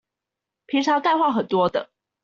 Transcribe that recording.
平常幹話很多的